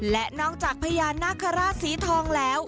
และนอกจากพญานาคาราชสีทองแล้ว